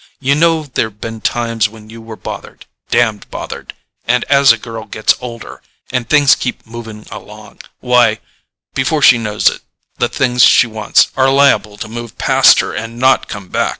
You know there've been times when you were bothered—damned bothered—and as a girl gets older, and things keep moving along, why, before she knows it, the things she wants are liable to move past her and not come back.